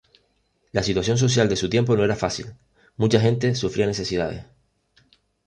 La situación social de su tiempo no era fácil, mucha gente sufría necesidades.